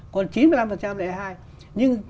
còn chín mươi năm là e hai nhưng